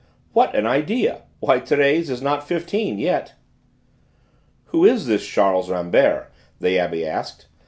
"What an idea! Why, Thérèse is not fifteen yet." "Who is this Charles Rambert?" the Abbé asked.